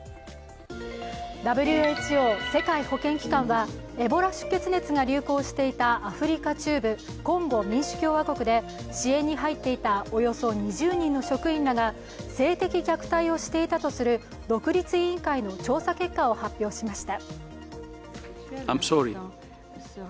ＷＨＯ＝世界保健機関はエボラ出血熱が流行していたアフリカ中部、コンゴ民主共和国で支援に入っていたおよそ２０人の職員らが性的虐待をしていたとする独立委員会の調査結果を発表しました。